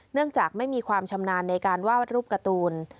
เนื่องจากไม่มีความชำนาญในการวาดรูปการ์ตูน